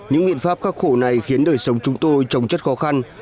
những biện pháp khắc hổ này khiến đời sống chúng tôi trống chất khó khăn